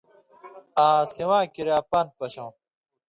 آں سِواں کریا پان٘د پشٶں